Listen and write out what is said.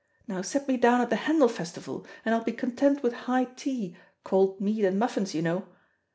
Now set me down at the Handel Festival, and I'll be content with high, tea cold meat and muffins, you know.